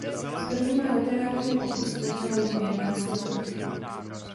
S prvními literárními pokusy začala již v jedenácti letech.